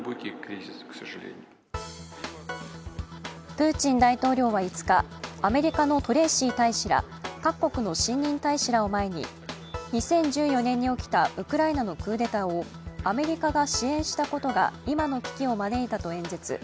プーチン大統領は５日、アメリカのトレーシー大使ら各国の新任大使らを前に２０１４年に起きたウクライナのクーデターをアメリカが支援したことが今の危機を招いたと演説。